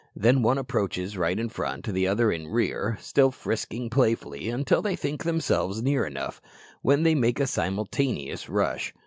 Then one approaches right in front, the other in rear, still frisking playfully, until they think themselves near enough, when they make a simultaneous rush.